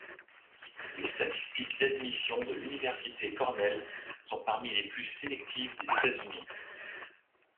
Les statistiques d'admissions de l'université Cornell sont parmi les plus sélectives des États-Unis.